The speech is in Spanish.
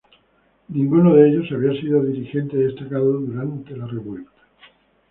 Ninguno de ellos había sido dirigente destacado durante la revuelta.